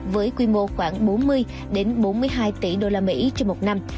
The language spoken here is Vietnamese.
với quy mô khoảng bốn mươi đến bốn mươi hai tỷ đô la mỹ trong một năm